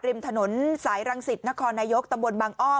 ริมถนนสายรังสิตนครนายกตำบลบังอ้อ